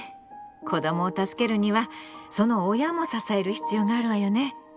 子どもを助けるにはその親も支える必要があるわよね。